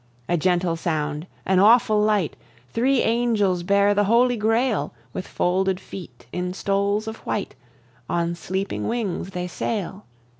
A gentle sound, an awful light! Three angels bear the holy Grail: With folded feet, in stoles of white, On sleeping wings they sail.